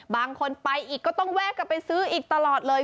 บางคนไปอีกก็ต้องแวะกลับไปซื้ออีกตลอดเลย